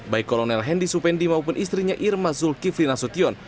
baik kolonel hendy supendi maupun istrinya irma zulkifli nasution